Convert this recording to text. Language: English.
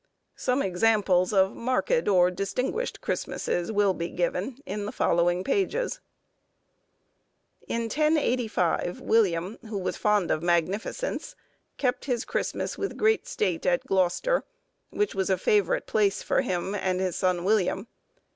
Some examples of marked or distinguished Christmasses will be given in the following pages. In 1085, William, who was fond of magnificence, kept his Christmas with great state at Gloucester, which was a favourite place with him and his son William.